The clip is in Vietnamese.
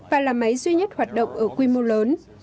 và là máy duy nhất hoạt động ở quy mô lớn